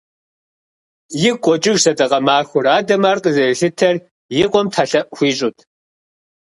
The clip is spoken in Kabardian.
Игу къокӀыж сэдэкъэ махуэр… Адэм ар къызэрилъытэр и къуэм тхьэлъэӀу хуищӀут.